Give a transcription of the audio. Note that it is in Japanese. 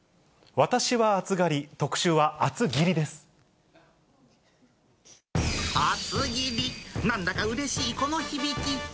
私は暑がり、特集は厚切りで厚切り、なんだかうれしいこの響き。